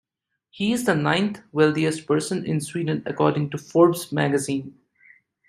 He is the ninth wealthiest person in Sweden, according to "Forbes" magazine.